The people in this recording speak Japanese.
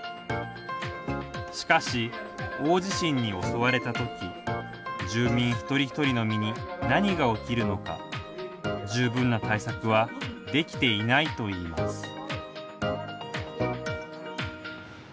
しかし、大地震に襲われたとき住民、一人一人の身に何が起きるのか十分な対策はできていないといいます